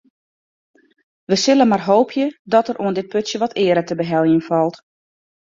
We sille mar hoopje dat der oan dit putsje wat eare te beheljen falt.